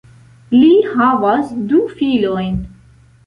Li havas du filojn.